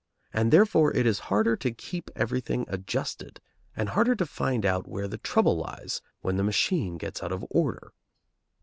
And, therefore, it is harder to keep everything adjusted, and harder to find out where the trouble lies when the machine gets out of order.